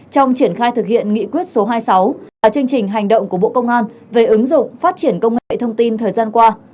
trong triển khai thực hiện nghị quyết số hai mươi sáu và chương trình hành động của bộ công an về ứng dụng phát triển công nghệ thông tin thời gian qua